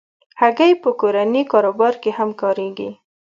هګۍ په کورني کاروبار کې هم کارېږي.